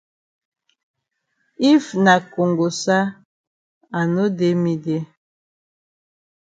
If na kongosa I no dey me dey.